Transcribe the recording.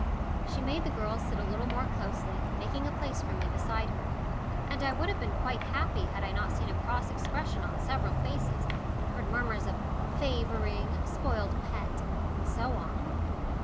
She made the girls sit a little more closely, making a place for me beside her, and I would have been quite happy had I not seen a cross expression on several faces, and heard murmurs of "favouring," "spoilt pet," and so on.